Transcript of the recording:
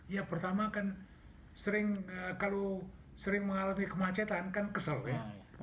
ya pertama kan sering kalau sering mengalami kemacetan kan kesel ya